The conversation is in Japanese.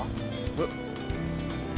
えっ？